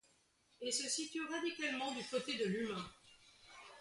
Et se situe radicalement du côté de l'humain.